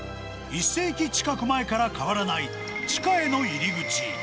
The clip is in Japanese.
１世紀近く前から変わらない、地下への入り口。